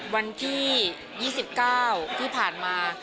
วันที่๒๙ที่ผ่านมา